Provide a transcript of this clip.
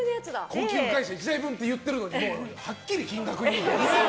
高級外車１台分って言ってるのにはっきり金額言う。